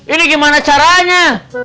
ini gimana caranya